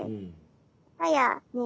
片やねえ